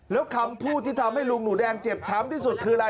แล้วคำพูดที่ทำให้ลุงหนูแดงเจ็บช้ำที่สุดคืออะไร